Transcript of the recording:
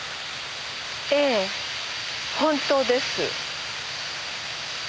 ええ本当です。